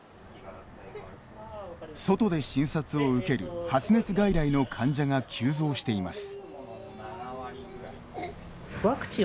外で診察を受ける発熱外来の患者が急増しています。